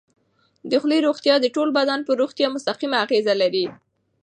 د خولې روغتیا د ټول بدن پر روغتیا مستقیمه اغېزه لري.